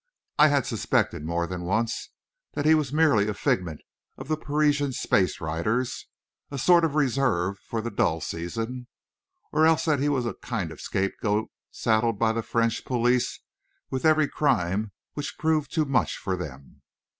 I had suspected more than once that he was merely a figment of the Parisian space writers, a sort of reserve for the dull season; or else that he was a kind of scape goat saddled by the French police with every crime which proved too much for them.